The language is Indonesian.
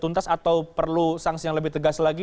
tuntas atau perlu sanksi yang lebih tegas lagi